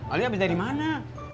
alia berada dimana